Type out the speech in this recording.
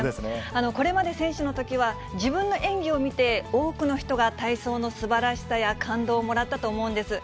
これまで選手のときは、自分の演技を見て、多くの人が体操のすばらしさや感動をもらったと思うんです。